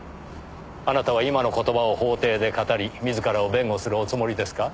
あなたは今の言葉を法廷で語り自らを弁護するおつもりですか？